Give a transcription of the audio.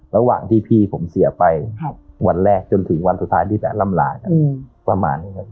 ระหว่างที่พี่ผมเสียไปวันแรกจนถึงวันสุดท้ายที่แบบล่ำลากันประมาณนี้ครับ